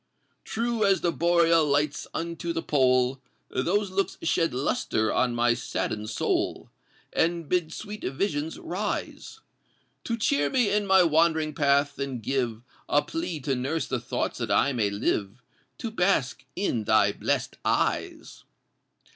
True as the Boreal Lights unto the Pole, Those looks shed lustre on my sadden'd soul, And bid sweet visions rise To cheer me in my wandering path, and give A plea to nurse the thought that I may live To bask in thy bless'd eyes!